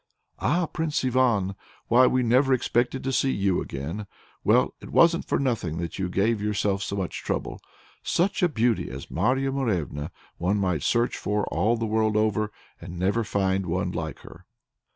"Ah, Prince Ivan! why, we never expected to see you again. Well, it wasn't for nothing that you gave yourself so much trouble. Such a beauty as Marya Morevna one might search for all the world over and never find one like her!"